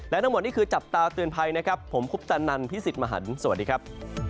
และทั้งหมดนี่คือจับตาเตือนภัยนะครับผมคุปตนันพี่สิทธิ์มหันฯสวัสดีครับ